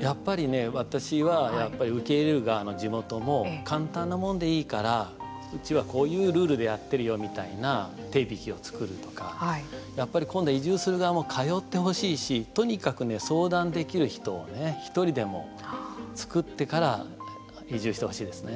やっぱりね、私は受け入れる側の地元も簡単なものでいいから「うちはこういうルールでやってるよ」みたいな手引を作るとか、今度移住する側も通ってほしいしとにかく相談できる人を１人でも作ってから移住してほしいですね。